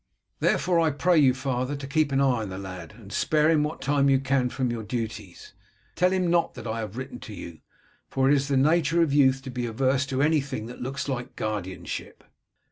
Therefore I pray you, father, to keep an eye on the lad, and spare him what time you can from your duties. Tell him not that I have written to you, for it is the nature of youth to be averse to anything that looks like guardianship."